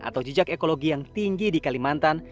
atau jejak ekologi yang tinggi di kalimantan